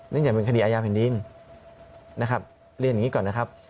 อย่างเป็นคดีอาญาแผ่นดินนะครับเรียนอย่างนี้ก่อนนะครับ